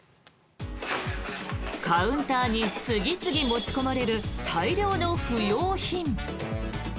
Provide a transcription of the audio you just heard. カウンターに次々持ち込まれる大量の不要品。